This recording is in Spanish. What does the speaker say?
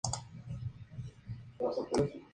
El Bv.